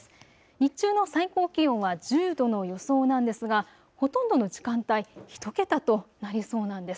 日中の最高気温は１０度の予想なんですがほとんどの時間帯１桁となりそうなんです。